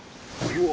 うわ！